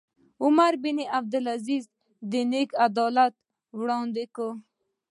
عمر بن عبدالعزیز د نیکه عدالت وړاندې کړ.